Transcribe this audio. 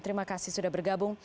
terima kasih sudah bergabung